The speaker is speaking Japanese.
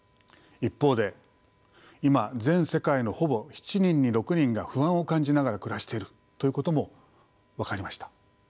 一方で今全世界のほぼ７人に６人が不安を感じながら暮らしているということも分かりました。